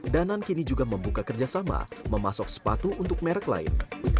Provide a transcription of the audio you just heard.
danan kini juga membuka kerjasama memasok sepatu untuk merek lain